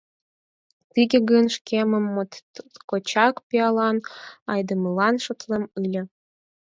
Тыге гын, шкемым моткочак пиалан айдемылан шотлем ыле».